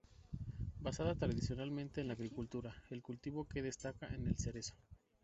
Basada tradicionalmente en la agricultura, el cultivo que destaca es el del cerezo.